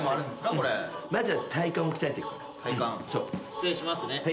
失礼しますね。